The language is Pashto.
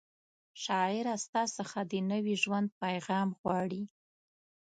شاعره ستا څخه د نوي ژوند پیغام غواړي